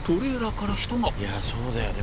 いやあそうだよね。